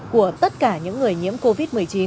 của tất cả những người nhiễm covid một mươi chín